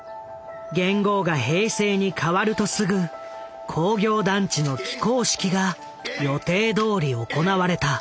元号が平成に変わるとすぐ工業団地の起工式が予定どおり行われた。